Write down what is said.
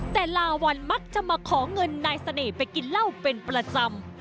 แต่ลาวัลมักจะมาขอเงินนายเสน่ห์ไปกินเหล้าเป็นประจำ